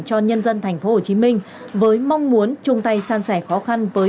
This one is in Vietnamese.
cho nhân dân tp hcm với mong muốn chung tay san sẻ khó khăn với